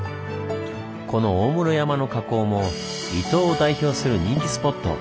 この大室山の火口も伊東を代表する人気スポット。